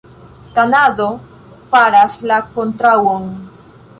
Kanado faras la kontraŭon.